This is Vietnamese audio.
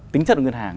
tính chất của ngân hàng